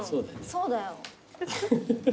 そうだよ。